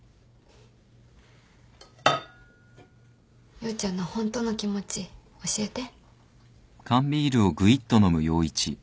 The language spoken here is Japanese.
陽ちゃんのホントの気持ち教えて。